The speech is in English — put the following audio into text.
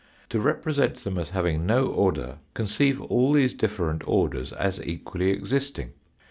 To represent them as having no order conceive all these different orders as equally existing.